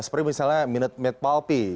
seperti misalnya minute mate palpi